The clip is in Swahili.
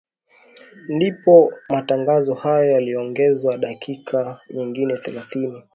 ndipo matangazo hayo yaliongezewa dakika nyingine thelathini